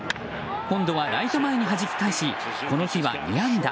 今度はライト前にはじき返しこの日は２安打。